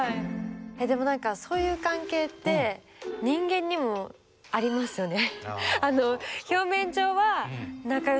でも何かそういう関係って人間にもありますよね。